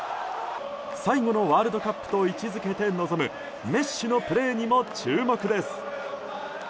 最後のワールドカップと位置づけて臨むメッシのプレーにも注目です。